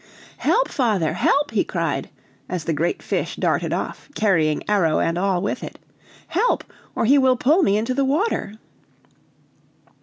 "Help, father, help!" he cried, as the great fish darted off, carrying arrow and all with it; "help! or he will pull me into the water."